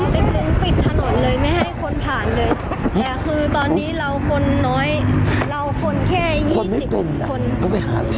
ปิดถนนเลยไม่ให้คนผ่านเลยแต่คือตอนนี้เราคนน้อย